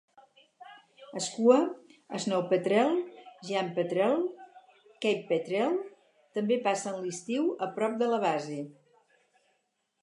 Skua, snow petrel, giant petrel, Cape petrel també passen l"estiu a prop de la base.